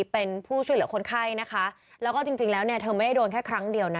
เป็นผู้ช่วยเหลือคนไข้นะคะแล้วก็จริงจริงแล้วเนี่ยเธอไม่ได้โดนแค่ครั้งเดียวนะ